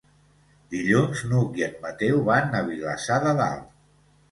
Dilluns n'Hug i en Mateu van a Vilassar de Dalt.